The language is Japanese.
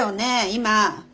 今。